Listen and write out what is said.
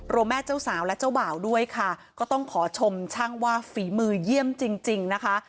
แม่เจ้าสาวและเจ้าบ่าวด้วยค่ะก็ต้องขอชมช่างว่าฝีมือเยี่ยมจริงจริงนะคะ